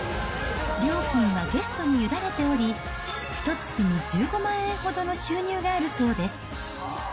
料金はゲストに委ねており、ひとつきに１５万円ほどの収入があるそうです。